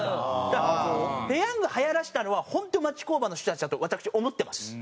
だからペヤングはやらせたのは本当に町工場の人たちだと私思ってます。